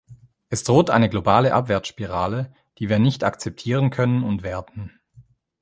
Es droht eine globale Abwärtsspirale, die wir nicht akzeptieren können und werden.